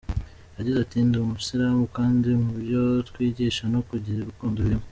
Yagize ati “Ndi umusilamu kandi mu byo twigishwa no kugira urukundo birimo.